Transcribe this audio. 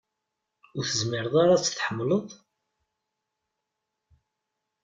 Ur tezmreḍ ara ad tḥemmleḍ ?